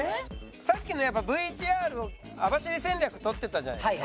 さっきのやっぱＶＴＲを網走戦略とってたじゃないですか。